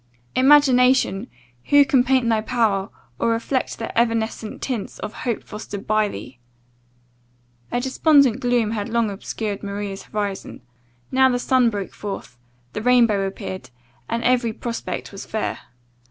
Imagination! who can paint thy power; or reflect the evanescent tints of hope fostered by thee? A despondent gloom had long obscured Maria's horizon now the sun broke forth, the rainbow appeared, and every prospect was fair.